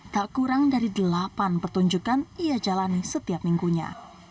tak kurang dari delapan pertunjukan ia jalani setiap minggunya